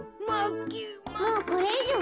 もうこれいじょう